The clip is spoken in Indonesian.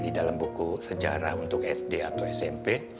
di dalam buku sejarah untuk sd atau smp